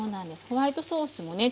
ホワイトソースもね